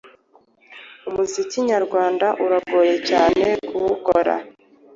Umuziki nyarwanda uragoye cyane kuwukora